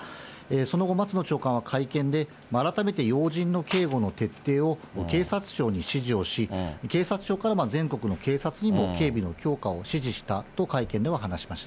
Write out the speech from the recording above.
その後、松野長官は会見で、改めて要人の警護の徹底を警察庁に指示をし、警察庁から全国の警察の警備の強化を指示したと会見では話しまし